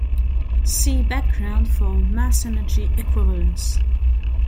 See background for mass-energy equivalence.